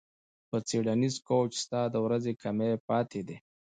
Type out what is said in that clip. په څیړنیز کوچ ستا ورځې کمې پاتې دي ډارت